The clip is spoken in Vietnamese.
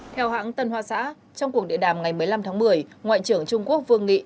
theo hãng tân hoa xã trong cuộc địa đàm ngày một mươi năm tháng một mươi ngoại trưởng trung quốc vương nghị